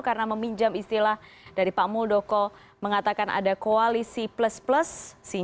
karena meminjam istilah dari pak muldoko mengatakan ada koalisi plus plus